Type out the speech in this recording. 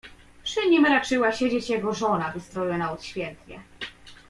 "Przy nim raczyła siedzieć jego żona, wystrojona odświętnie."